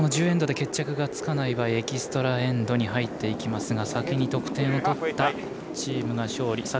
１０エンドで決着がつかない場合エキストラ・エンドに入っていきますが先に得点を取ったチームが勝利。